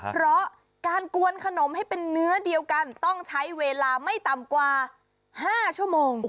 เพราะการกวนขนมให้เป็นเนื้อเดียวกันต้องใช้เวลาไม่ต่ำกว่า๕ชั่วโมง